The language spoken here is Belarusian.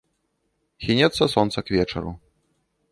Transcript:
Хінецца сонца к вечару.